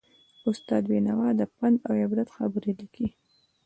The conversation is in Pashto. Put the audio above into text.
استاد بینوا د پند او عبرت خبرې لیکلې.